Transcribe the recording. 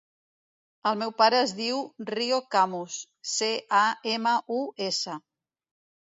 El meu pare es diu Rio Camus: ce, a, ema, u, essa.